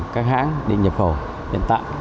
các hãng định nhập khẩu hiện tại